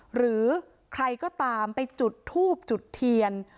หรือใครก็ตามไปจุดทูบจุดเทียน